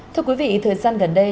thưa quý vị thời gian gần đây